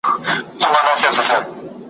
نوروز راسي زېری نه وي پر وزر د توتکیو ,